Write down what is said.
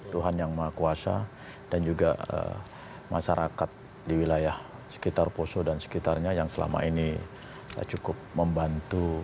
tuhan yang maha kuasa dan juga masyarakat di wilayah sekitar poso dan sekitarnya yang selama ini cukup membantu